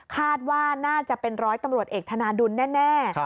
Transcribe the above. คาดว่าน่าจะเป็นร้อยตำรวจเอกธนาดุลแน่